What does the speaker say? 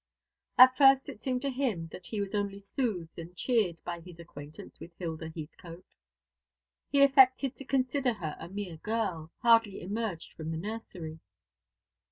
At first it seemed to him that he was only soothed and cheered by his acquaintance with Hilda Heathcote. He affected to consider her a mere girl, hardly emerged from the nursery.